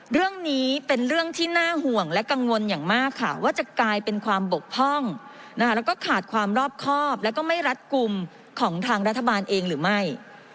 เรื่องนี้เป็นเรื่องที่น่าห่วงและกังวลอย่างมากค่ะว่าจะกลายเป็นความบกพร่องแล้วก็ขาดความรอบครอบแล้วก็ไม่รัดกลุ่มของทางรัฐบาลเองหรือไม่